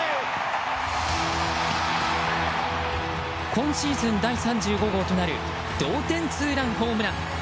今シーズン第３５号となる同点ツーランホームラン。